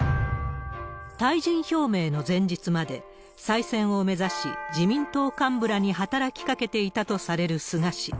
退陣表明の前日まで再選を目指し、自民党幹部らに働きかけていたとされる菅氏。